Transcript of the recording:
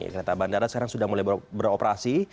kereta bandara sekarang sudah mulai beroperasi